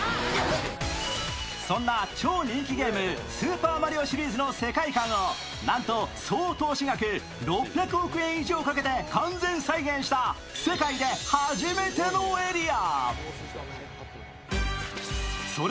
そんな超人気ゲーム「スーパーマリオ」シリーズの世界観をなんと総投資額６００億円以上かけて完全再現した世界初めてのエリア。